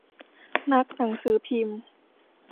นักหนังสือพิมพ์